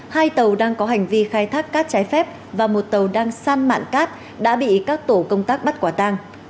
hai tàu đang có hành vi khai thác cát trái phép và một tàu đang san mạn cát đã bị các tổ công tác bắt quả tang